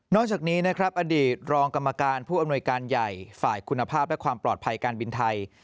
จากนี้นะครับอดีตรองกรรมการผู้อำนวยการใหญ่ฝ่ายคุณภาพและความปลอดภัยการบินไทย